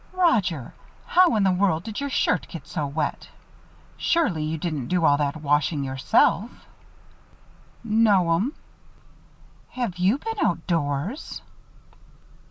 "Roger, how in the world did your shirt get so wet? Surely you didn't do all that washing yourself?" "No'm." "Have you been outdoors?"